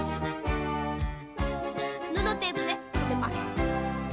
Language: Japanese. ぬのテープでとめます。